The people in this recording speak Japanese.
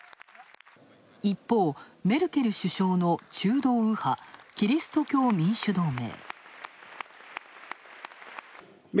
一方、メルケル首相の中道右派、キリスト教民主同盟。